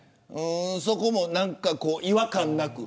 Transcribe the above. そこも違和感なく。